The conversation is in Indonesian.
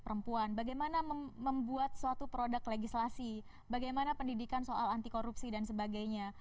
perempuan bagaimana membuat suatu produk legislasi bagaimana pendidikan soal anti korupsi dan sebagainya